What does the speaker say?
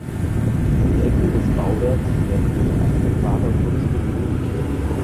Die Ecken des Bauwerks werden durch einen Quaderputz betont.